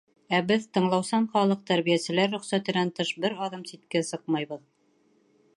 Ә беҙ, тыңлаусан халыҡ, тәрбиәселәр рөхсәтенән тыш бер аҙым ситкә сыҡмайбыҙ.